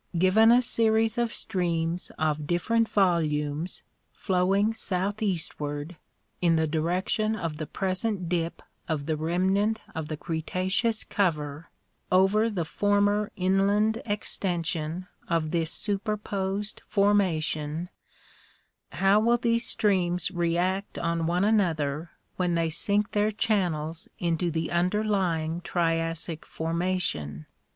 Given a series of streams of different volumes, flowing southeastward, in the direction of the present dip of the remnant of the Cretaceous cover, over the former inland extension of this superposed formation; how will these streams react on one another when they sink their channels into the underlying Triassic formation